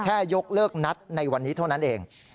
ยกเลิกนัดในวันนี้เท่านั้นเอง